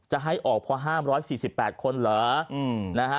จะให้ออกเพราะห้าม๑๔๘คนเหรอนะฮะ